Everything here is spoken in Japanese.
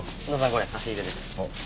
これ差し入れです。